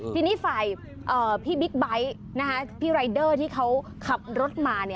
ทีนี้ฝ่ายพี่บิ๊กไบท์พี่รายเดอร์ที่เขาขับรถมา